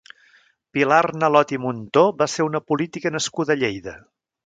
Pilar Arnalot i Muntó va ser una política nascuda a Lleida.